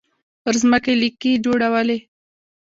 پر ځمکه يې ليکې جوړولې.